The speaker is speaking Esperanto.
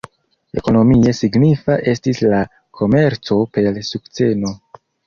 Ekonomie signifa estis la komerco per sukceno.